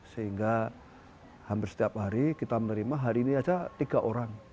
sehingga hampir setiap hari kita menerima hari ini saja tiga orang